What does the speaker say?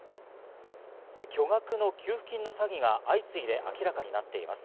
巨額の給付金の詐欺が相次いで明らかになっています。